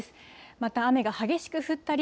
また、雨が激しく降ったり、